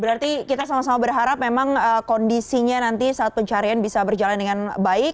berarti kita sama sama berharap memang kondisinya nanti saat pencarian bisa berjalan dengan baik